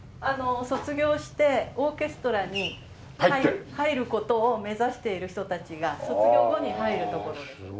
卒業してオーケストラに入る事を目指している人たちが卒業後に入るところです。